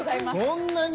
そんなに？